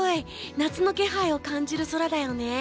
夏の気配を感じる空だよね。